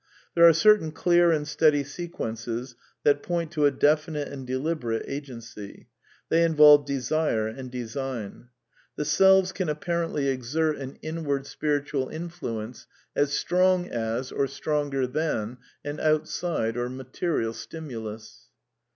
There are certain clear and steady se quences that point to a definite and deliberate agency ; they involve desire and design. The selves can apparently exert 1 c ■/? THE NEW MYSTICISM 267 an inward spiritual influence as strong as, or stronger than, an outside or material stimulus.